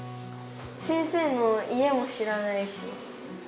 先生の家も知らないし。